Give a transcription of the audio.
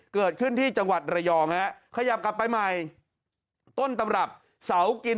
เกิดขึ้นที่จังหวัดระยองฮะขยับกลับไปใหม่ต้นตำรับเสากิน